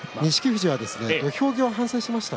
富士関は土俵際の反省をしていました。